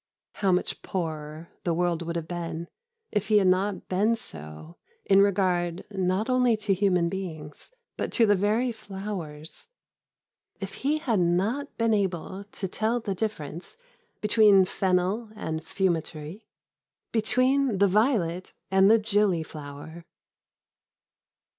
How much poorer the world would have been if he had not been so in regard not only to human beings but to the very flowers if he had not been able to tell the difference between fennel and fumitory, between the violet and the gillyflower!